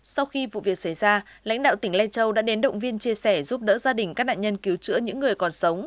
sau khi vụ việc xảy ra lãnh đạo tỉnh lai châu đã đến động viên chia sẻ giúp đỡ gia đình các nạn nhân cứu chữa những người còn sống